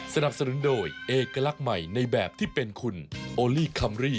สนับสนุนโดยเอกลักษณ์ใหม่ในแบบที่เป็นคุณโอลี่คัมรี่